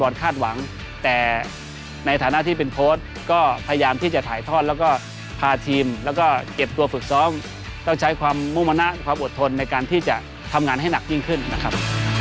และมีความอดทนในการที่จะทำงานให้หนักยิ่งขึ้นนะครับ